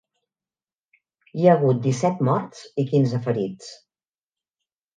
Hi ha hagut disset morts i quinze ferits.